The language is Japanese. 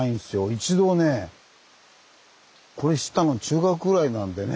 一度ねこれ知ったの中学ぐらいなんでね